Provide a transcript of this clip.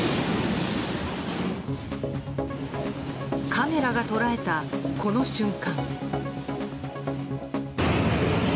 カメラが捉えた、この瞬間。